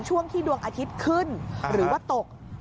ช่วงที่ดวงอาทิตย์ขึ้นหรือว่าตก